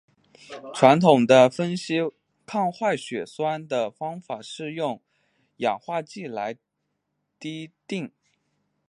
传统的分析抗坏血酸的方法是用氧化剂来滴定。